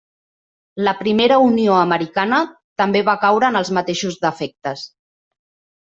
La primera Unió americana també va caure en els mateixos defectes.